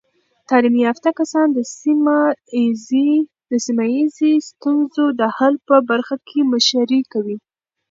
تعلیم یافته کسان د سیمه ایزې ستونزو د حل په برخه کې مشري کوي.